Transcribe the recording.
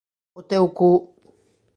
O teu cu.